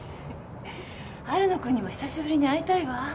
春野君にも久しぶりに会いたいわ。